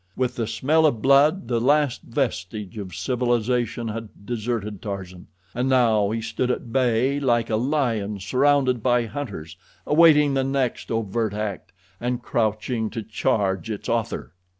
With the smell of blood the last vestige of civilization had deserted Tarzan, and now he stood at bay, like a lion surrounded by hunters, awaiting the next overt act, and crouching to charge its author.